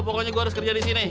pokoknya gua harus kerja disini